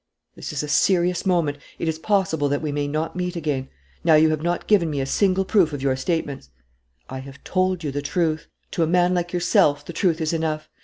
"This is a serious moment. It is possible that we may not meet again. Now you have not given me a single proof of your statements." "I have told you the truth. To a man like yourself, the truth is enough.